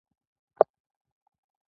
بادرنګ تازه وي نو خوندور وي.